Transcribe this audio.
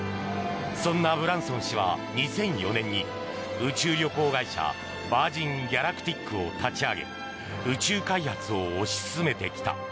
そんなブランソン氏は２００４年に、宇宙旅行会社ヴァージン・ギャラクティックを立ち上げ宇宙開発を推し進めてきた。